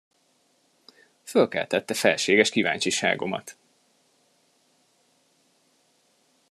Fölkeltette felséges kíváncsiságomat!